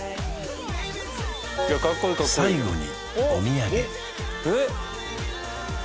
最後にお土産えっ？